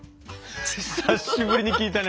久しぶりに聞いたね。